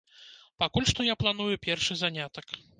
Пакуль што я планую першы занятак!